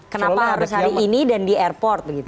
kenapa harus hari ini dan di airport begitu